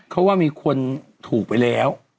เขาว่ามีคนถูกไปแล้ว